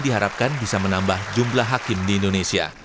diharapkan bisa menambah jumlah hakim di indonesia